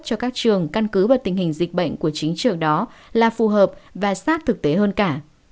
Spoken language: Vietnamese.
cho các trường căn cứ vào tình hình dịch bệnh của chính trường đó là phù hợp và sát thực tế hơn cả